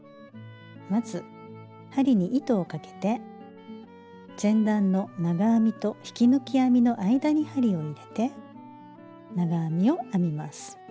まず針に糸をかけて前段の長編みと引き抜き編みの間に針を入れて長編みを編みます。